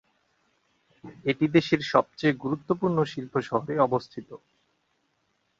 এটি দেশের সবচেয়ে গুরুত্বপূর্ণ শিল্প শহরে অবস্থিত।